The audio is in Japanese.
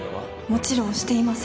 もちろんしていません